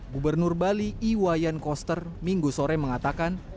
gubernur bali iwayan koster minggu sore mengatakan